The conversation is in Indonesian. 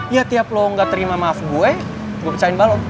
ya tiap lo gak terima maaf gue gue becain balok